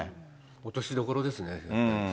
落としどころですね。